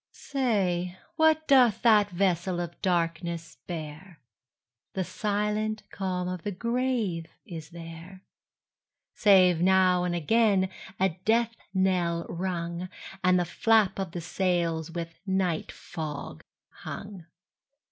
Say, what doth that vessel of darkness bear? The silent calm of the grave is there, Save now and again a death knell rung, And the flap of the sails with night fog hung.